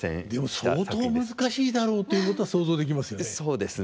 でも相当難しいだろうということは想像できますよね。